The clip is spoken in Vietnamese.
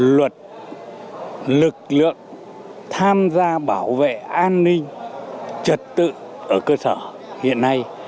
luật lực lượng tham gia bảo vệ an ninh trật tự ở cơ sở hiện nay